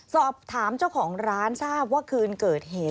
สอบถามเจ้าของร้านทราบว่าคืนเกิดเหตุ